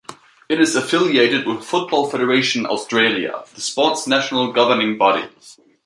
It is affiliated with Football Federation Australia, the sport's national governing body.